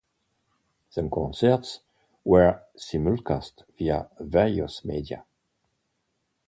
The concerts were simulcast via various media.